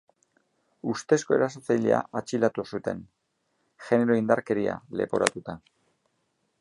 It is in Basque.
Ustezko erasotzailea artxilotu zuten genero indarkeria leporatuta.